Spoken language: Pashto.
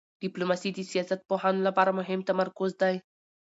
ډیپلوماسي د سیاست پوهانو لپاره مهم تمرکز دی.